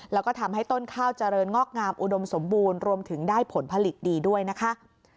แล้วก็ทำให้ต้นข้าวเจริญงอกงามอุดมสมบูรณ์รวมถึงได้ผลผลิตดีด้วยนะคะ